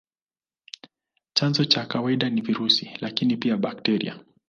Chanzo cha kawaida ni virusi, lakini pia bakteria.